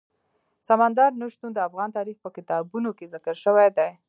سمندر نه شتون د افغان تاریخ په کتابونو کې ذکر شوی دي.